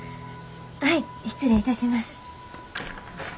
はい失礼いたします。